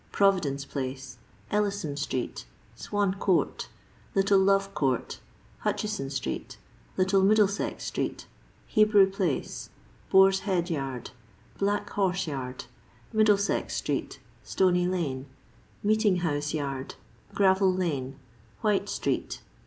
Providence place, Kllison street, Swan court, Little Love court, Hutchiiison street, Little Mid dlesex street, Hebrew place, BoarVhead A ard, Black horse yard, Middlesex street, Stoney lane, Meeting house yard, Gravel lane, White street.